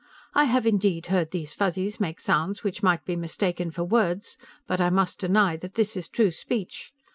I have indeed heard these Fuzzies make sounds which might be mistaken for words, but I must deny that this is true speech.